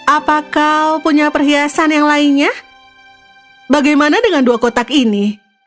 apakah punya perhiasan yang lainnya bagaimana dengan dua kotak ini